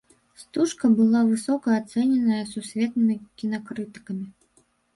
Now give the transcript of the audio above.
Стужка была высока ацэненая сусветнымі кінакрытыкамі.